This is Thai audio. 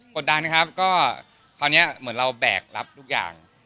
ดดันครับก็คราวนี้เหมือนเราแบกรับทุกอย่าง